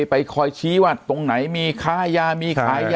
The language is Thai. ไปคอยชี้ว่าตรงไหนมีค้ายามีขายยา